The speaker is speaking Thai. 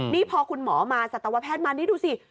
นี่พอคุณหมอมาสัตวแพทย์มานี่ดูสิ